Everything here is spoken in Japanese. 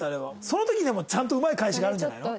その時にはもうちゃんとうまい返しがあるんじゃないの？